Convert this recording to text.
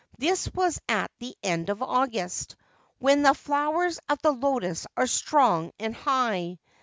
This was at the end of August, when the flowers of the lotus are strong and high.